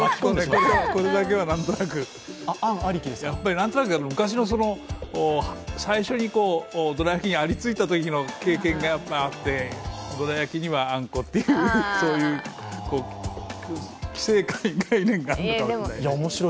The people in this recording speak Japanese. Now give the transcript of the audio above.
これだけは何となく、やはり昔の最初にどら焼きにありついたときの経験があってどら焼きにはあんこという既成概念があるのかもしれない。